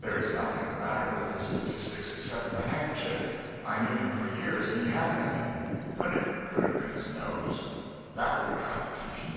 There is nothing the matter with his statistics except the handkerchief. I knew him for years, and he hadn't any. But it could have been his nose. That would attract attention.